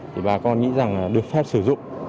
thì bà con nghĩ rằng được phép sử dụng